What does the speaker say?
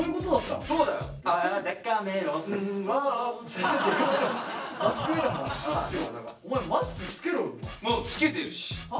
もうつけてるし！